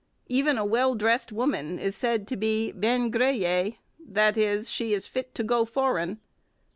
Even a well dressed woman is said to be bi'n gré yée, that is, she is 'fit to go foreign.'